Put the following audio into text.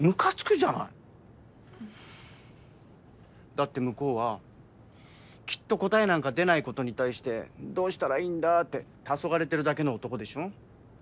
だって向こうはきっと答えなんか出ないことに対してどうしたらいいんだってたそがれてるだけの男でしょ？